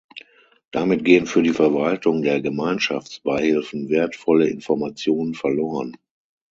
Damit gehen für die Verwaltung der Gemeinschaftsbeihilfen wertvolle Informationen verloren.